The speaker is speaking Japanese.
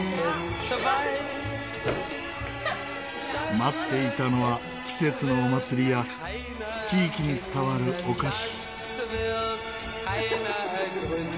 待っていたのは季節のお祭りや地域に伝わるお菓子。